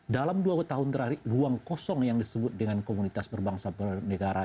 dalam dua tahun terakhir ruang kosong yang disebut dengan komunitas berbangsa bernegara